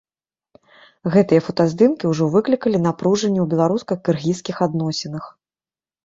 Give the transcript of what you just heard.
Гэтыя фотаздымкі ўжо выклікалі напружанне ў беларуска-кыргызскіх адносінах.